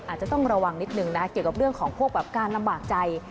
อาจจะต้องระวังนิดนึงนะเกี่ยวกับเรื่องของพวกแบบการลำบากใจ